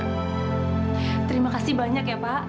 terima kasih banyak ya pak